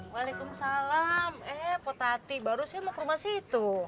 waalaikumsalam eh pak tati baru sih mau ke rumah situ